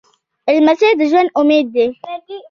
لمسی د ژوند امید دی.